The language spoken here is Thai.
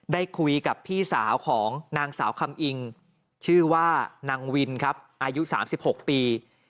ได้คุยกับพี่สาวของนางสาวคำอิงชื่อว่านางวินครับอายุ๓๖ปี